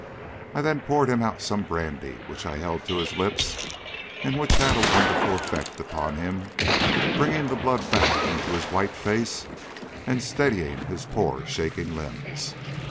I then poured him out some brandy, which I held to his lips, and which had a wonderful effect upon him, bringing the blood back into his white face and steadying his poor shaking limbs.